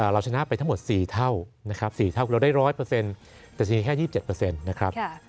เราชนะไปทั้งหมด๔เท่านะครับ๔เท่าเราได้๑๐๐แต่จะมีแค่๒๗นะครับ